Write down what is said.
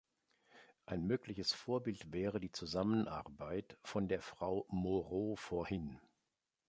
Ein mögliches Vorbild wäre die Zusammenarbeit, von der Frau Moreau vorhin.